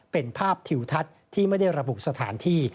เป็นภาพทิวทัศน์ที่ไม่ได้ระบุสถานที่